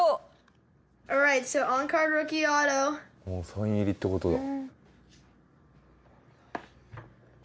サイン入りって事だ。